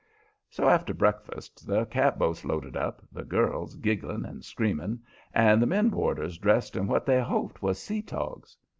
So, after breakfast, the catboats loaded up, the girls giggling and screaming, and the men boarders dressed in what they hoped was sea togs.